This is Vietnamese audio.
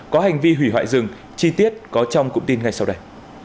có hành vi hủy hoại rừng chi tiết có trong cụm tin ngay sau đây